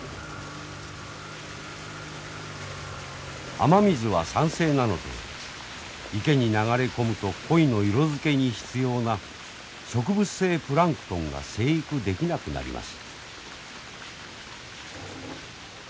雨水は酸性なので池に流れ込むと鯉の色づけに必要な植物性プランクトンが生育できなくなります。